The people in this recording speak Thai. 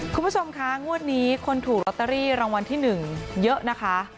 คุณผู้ชมคะงวดนี้คนถูกลอตเตอรี่รางวัลที่๑เยอะนะคะ